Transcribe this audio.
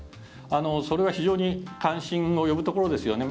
それは、非常に関心を呼ぶところですよね。